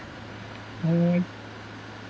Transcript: はい。